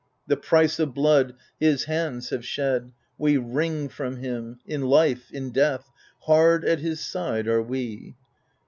The price of blood, his hands have shed, We wring from him ; in life, in death, Hard at his side are we